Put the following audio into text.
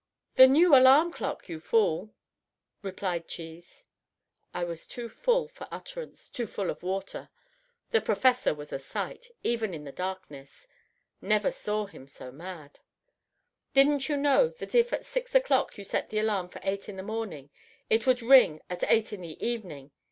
"The new alarm clock, you fool," replied Cheese. I was too full for utterance too full of water. The Professor was a sight, even in the darkness. Never saw him so mad. "Didn't you know that if at six o'clock you set the alarm for eight in the morning, it would ring at eight in the evening?"